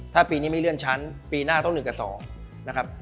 ถ้าปีนี้ไม่เลื่อนชั้นปีหน้าต้อง๑กับ๒นะครับ